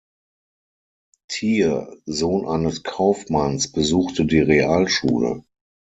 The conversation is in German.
Thier, Sohn eines Kaufmanns, besuchte die Realschule.